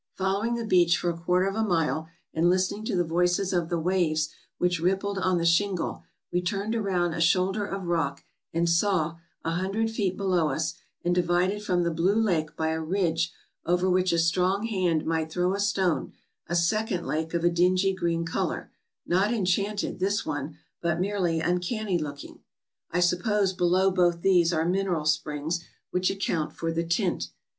Following the beach for a quarter of a mile, and listen ing to the voices of the waves which rippled on the shingle, we turned around a shoulder of rock, and saw, a hundred feet below us, and divided from the blue lake by a ridge over which a strong hand might throw a stone, a second lake of a dingy green color — not enchanted, this one, but merely uncanny looking. I suppose below both these are mineral springs which account for the tint.